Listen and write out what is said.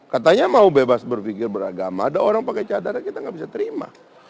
katanya mau bebas berfikir beragama ada orang pakai cadara kita enggak bisa terima